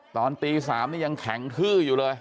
ตอนตี๓นี่ยังแข็งทื้ออยู่เลย